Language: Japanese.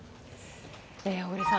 小栗さん。